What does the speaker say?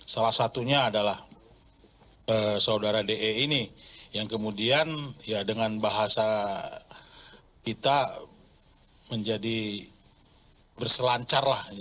salah satunya adalah saudara de ini yang kemudian ya dengan bahasa kita menjadi berselancar lah